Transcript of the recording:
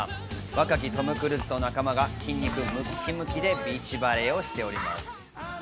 若きトム・クルーズと仲間が筋肉ムキムキでビーチバレーをしています。